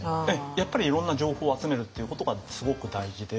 やっぱりいろんな情報を集めるっていうことがすごく大事で。